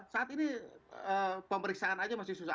saat ini pemeriksaan aja masih susah